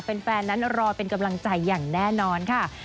แฟนนั้นรอเป็นกำลังใจอย่างแน่นอนค่ะ